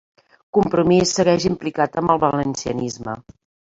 Compromís segueix implicat amb el valencianisme